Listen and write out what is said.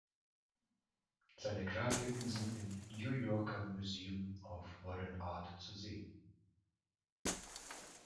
Seine Grafiken sind im New Yorker Museum of Modern Art zu sehen.